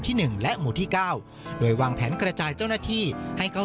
ที่หนึ่งและหมู่ที่เก้าโดยวางแผนกระจายเจ้านาทีให้เก้า